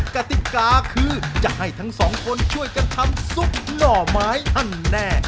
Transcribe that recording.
กติกาคือจะให้ทั้งสองคนช่วยกันทำซุปหน่อไม้อันแน่